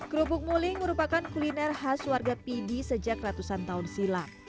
kerupuk muling merupakan kuliner khas warga pidi sejak ratusan tahun silam